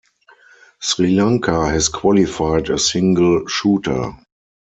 Sri Lanka has qualified a single shooter.